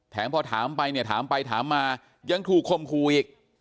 พอถามไปเนี่ยถามไปถามมายังถูกคมคู่อีก